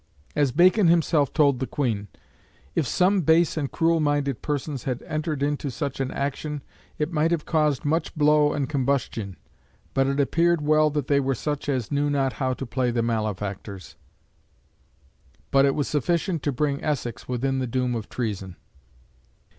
As Bacon himself told the Queen, "if some base and cruel minded persons had entered into such an action, it might have caused much blow and combustion; but it appeared well that they were such as knew not how to play the malefactors!" But it was sufficient to bring Essex within the doom of treason.